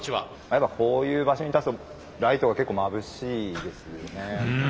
やっぱこういう場所に立つとライトが結構まぶしいですね。